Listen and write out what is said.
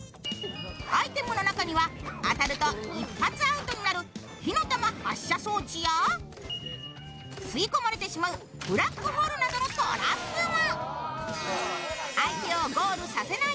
アイテムの中には、当たると一発アウトになる火の玉発射装置や吸い込まれてしまうブラックホールなどのトラップも。